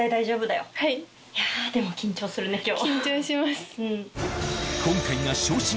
いやでも緊張するね今日。